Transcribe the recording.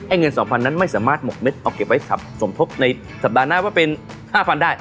เงิน๒๐๐นั้นไม่สามารถหมกเม็ดเอาเก็บไว้สมทบในสัปดาห์หน้าว่าเป็น๕๐๐ได้